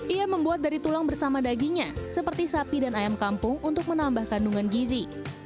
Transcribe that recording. ia membuat dari tulang bersama dagingnya seperti sapi dan ayam kampung untuk menambah kandungan gizi